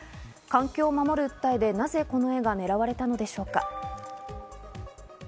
環境を守る訴えで、なぜこの絵が狙われたのでしょうか？